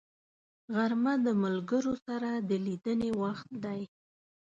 غرمه د ملګرو سره د لیدنې وخت دی